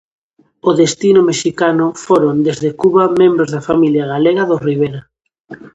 Ao destino mexicano foron, desde Cuba, membros da familia galega dos Rivera.